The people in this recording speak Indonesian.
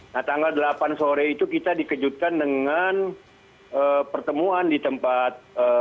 nah tanggal delapan sore itu kita dikejutkan dengan pertemuan di tempat